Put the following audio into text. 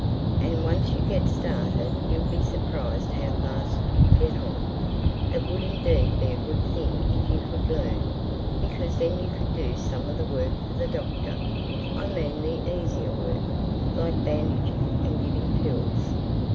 And once you get started you'll be surprised how fast you get on. It would indeed be a good thing if you could learn. Because then you could do some of the work for the Doctor—I mean the easier work, like bandaging and giving pills.